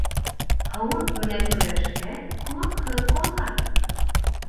Һыуыҡ менән көрәшкән ҡолаҡһыҙ ҡалған